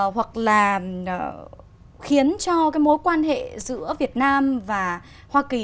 hoặc là khiến cho cái mối quan hệ giữa việt nam và hoa kỳ